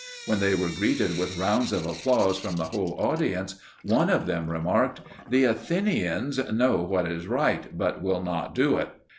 When they were greeted with rounds of applause from the whole audience, one of them remarked: "The Athenians know what is right, but will not do it."